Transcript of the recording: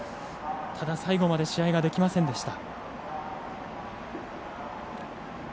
ただ、最後まで試合ができませんでした。